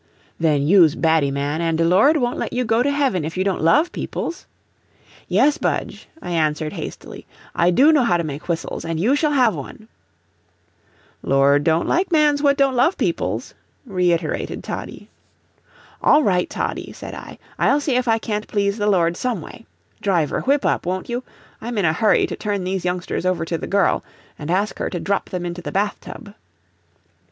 "Then you's baddy man, an' de Lord won't let you go to heaven if you don't love peoples." "Yes, Budge," I answered hastily, "I do know how to make whistles, and you shall have one." "Lord don't like mans what don't love peoples," reiterated Toddie. "All right, Toddie," said I. "I'll see if I can't please the Lord some way. Driver, whip up, won't you? I'm in a hurry to turn these youngsters over to the girl, and ask her to drop them into the bath tub."